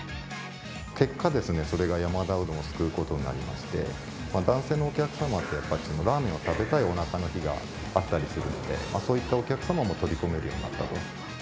結果ですね、それが山田うどんを救うことになりまして、男性のお客様って、やっぱりラーメンを食べたいおなかの日があったりするので、そういったお客様も取り込めるようになった。